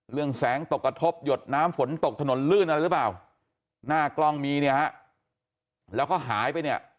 แสงตกกระทบหยดน้ำฝนตกถนนลื่นอะไรหรือเปล่าหน้ากล้องมีเนี่ยฮะแล้วเขาหายไปเนี่ย